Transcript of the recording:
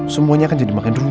semuanya kan jadi makin runyang